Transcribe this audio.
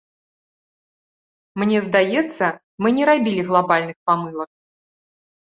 Мне здаецца, мы не рабілі глабальных памылак.